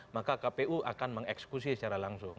maka kpu akan mengeksekusi secara langsung